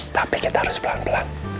tapi kita harus pelan pelan